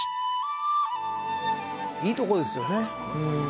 いいところですよね。